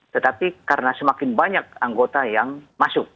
tetapi karena semakin banyak anggota yang masuk